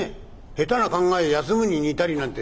『下手な考え休むに似たり』なんて」。